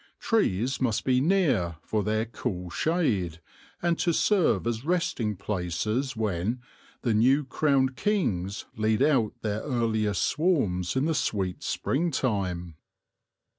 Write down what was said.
Trees must be near for their cool shade, and to serve as resting places when " the new crowned kings lead out their earliest swarms in the sweet spring time."